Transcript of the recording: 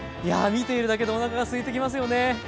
いや見ているだけでおなかがすいてきますよね。